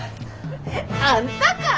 あんたか！